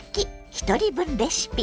ひとり分レシピ」。